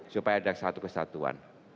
supaya ada satu kesatuan